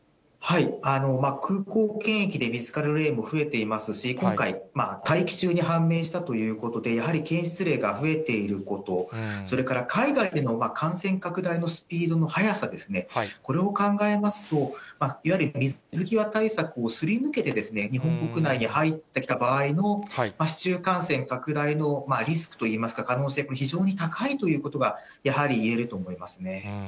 空港検疫で見つかる例も増えていますし、今回、待機中に判明したということで、やはり検出例が増えていること、それから海外での感染拡大のスピードの速さですね、これを考えますと、いわゆる水際対策をすり抜けて、日本国内に入ってきた場合の市中感染拡大のリスクといいますか、可能性は非常に高いということが、やはり言えると思いますね。